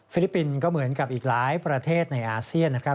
ลิปปินส์ก็เหมือนกับอีกหลายประเทศในอาเซียนนะครับ